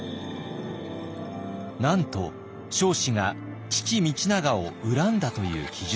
なんと彰子が父道長を恨んだという記述。